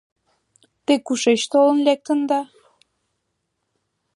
Те кушеч толын лектында?